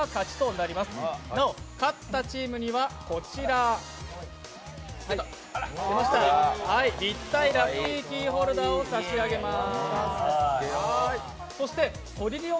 なお、なお勝ったチームにはこちら、立体ラッピーキーホルダーを差し上げます。